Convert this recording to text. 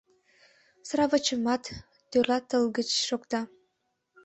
Сравочымат тӧрлатылгыч шокта.